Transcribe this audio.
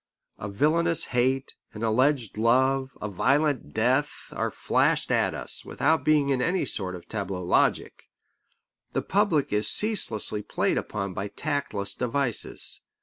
A villainous hate, an alleged love, a violent death, are flashed at us, without being in any sort of tableau logic. The public is ceaselessly played upon by tactless devices.